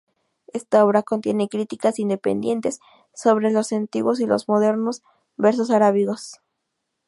Esta obra contiene críticas independientes sobre los antiguos y los modernos versos arábigos.